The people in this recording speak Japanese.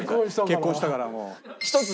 結婚したからもう。